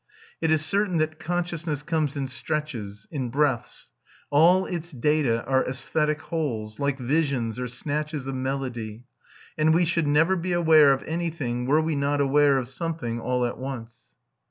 It is certain that consciousness comes in stretches, in breaths: all its data are æsthetic wholes, like visions or snatches of melody; and we should never be aware of anything were we not aware of something all at once.